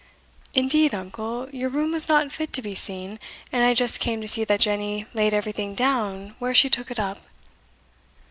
"Indeed, uncle, your room was not fit to be seen, and I just came to see that Jenny laid everything down where she took it up."